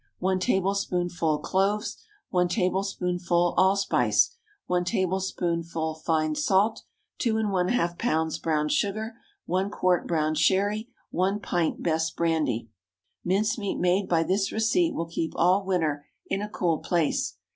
1 tablespoonful cloves. 1 tablespoonful allspice. 1 tablespoonful fine salt. 2½ lbs. brown sugar. 1 quart brown Sherry. 1 pint best brandy. Mince meat made by this receipt will keep all winter in a cool place.